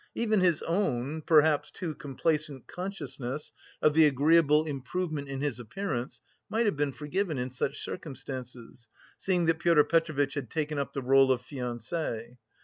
Even his own, perhaps too complacent, consciousness of the agreeable improvement in his appearance might have been forgiven in such circumstances, seeing that Pyotr Petrovitch had taken up the rôle of fiancé.